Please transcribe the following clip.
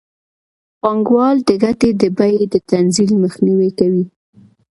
پانګوال د ګټې د بیې د تنزل مخنیوی کوي